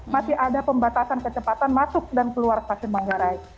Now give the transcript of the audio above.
masih ada pembatasan kecepatan masuk dan keluar stasiun manggarai